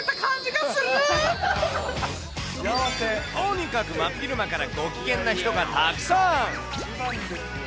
とにかく真昼間からご機嫌な人がたくさん。